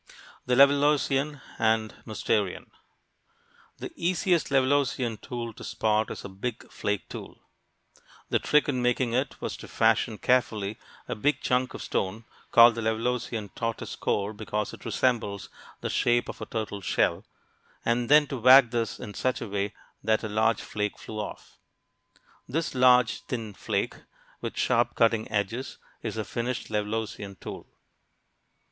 THE LEVALLOISIAN AND MOUSTERIAN The easiest Levalloisian tool to spot is a big flake tool. The trick in making it was to fashion carefully a big chunk of stone (called the Levalloisian "tortoise core," because it resembles the shape of a turtle shell) and then to whack this in such a way that a large flake flew off. This large thin flake, with sharp cutting edges, is the finished Levalloisian tool.